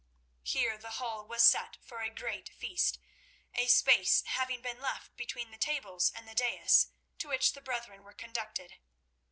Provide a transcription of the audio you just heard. Here the hall was set for a great feast, a space having been left between the tables and the dais, to which the brethren were conducted.